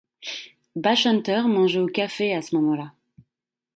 Basshunter mangeais au café à ce moment-là.